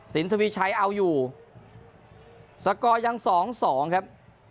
สินทรวีชัยเอาอยู่ยังสองสองครับ